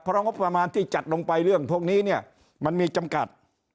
เพราะงบประมาณที่จัดลงไปเรื่องพวกนี้เนี่ยมันมีจำกัด